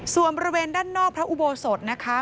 ส่วนบริเวณด้านนอกพระอุโบสถนะคะ